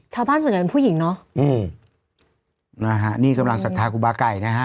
ชาวบ้านส่วนใหญ่เป็นผู้หญิงเนอะอืมนะฮะนี่กำลังศรัทธาครูบาไก่นะฮะ